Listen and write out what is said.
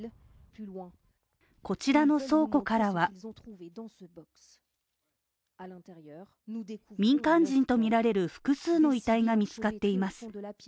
こちらの倉庫からは民間人とみられる複数の遺体が見つかっています。